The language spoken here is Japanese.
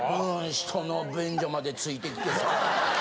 人の便所までついてきてさ。